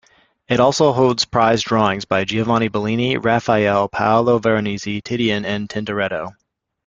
It also holds prized drawings by Giovanni Bellini, Raphael, Paolo Veronese, Titian, and Tintoretto.